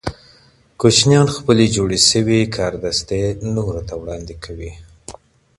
ماشومان خپلې جوړې شوې کاردستي نورو ته وړاندې کوي.